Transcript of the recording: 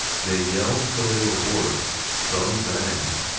They yelled till they were hoarse. Some sang.